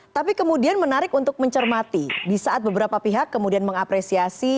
tapi kemudian menarik untuk mencermati di saat beberapa pihak kemudian mengapresiasi